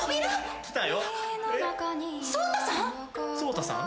草太さん？